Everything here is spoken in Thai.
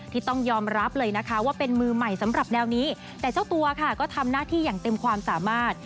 ที่ต้องยอมรับเลยนะคะว่าเป็นมือใหม่สำหรับแนวนี้แต่เจ้าตัวค่ะก็ทำหน้าที่อย่างเต็มความสามารถ